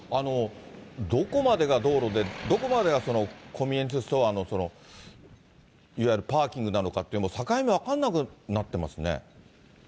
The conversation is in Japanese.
どこまでが道路で、どこまでがコンビニエンスストアのいわゆるパーキングなのかって、もう、境目、分かんなくなってますね。